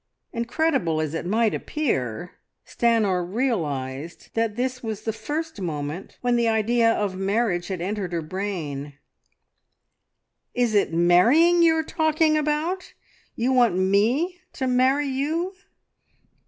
Incredible as it might appear, Stanor realised that this was the first moment when the idea of marriage had entered her brain. "Is it marrying you are talking about? You want me to marry you?"